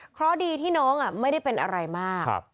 เพราะดีที่น้องไม่ได้เป็นอะไรมาก